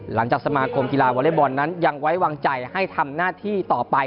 สมาคมกีฬาวอเล็กบอลนั้นยังไว้วางใจให้ทำหน้าที่ต่อไป